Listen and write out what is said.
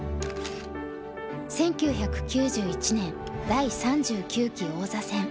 １９９１年第３９期王座戦。